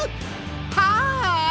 はい！